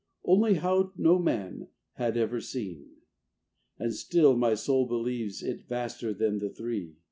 Only how no man Had ever seen; and still my soul Believes it vaster than the three.